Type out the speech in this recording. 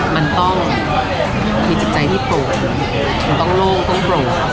มีจิตใจที่โปร่งมันต้องลงต้องโปร่ง